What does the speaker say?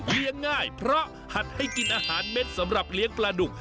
ง่ายเพราะหัดให้กินอาหารเม็ดสำหรับเลี้ยงปลาดุก